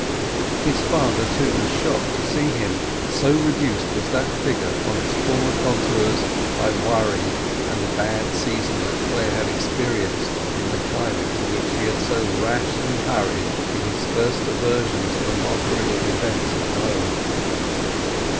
His father, too, was shocked to see him, so reduced was that figure from its former contours by worry and the bad season that Clare had experienced, in the climate to which he had so rashly hurried in his first aversion to the mockery of events at home.